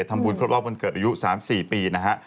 ทำบุคลอบวลเกิดอายุ๓๔ปีนะฮะ